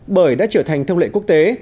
bởi đã trở thành thông lệ quốc tế